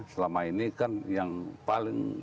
selama ini kan yang paling